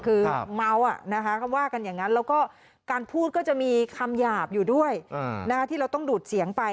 คือเมานะค่ะการพูดก็จะมีคำหยาบอยู่ด้วยที่เราต้องดูดเสียงไป